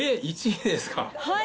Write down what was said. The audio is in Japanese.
はい。